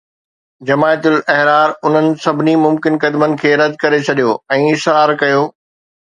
جماعت الاحرار انهن سڀني ممڪن قدمن کي رد ڪري ڇڏيو ۽ اصرار ڪيو